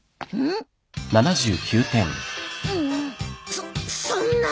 そそんな。